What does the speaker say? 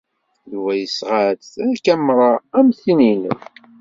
Yuba yesɣa-d takamra am tin-nnem.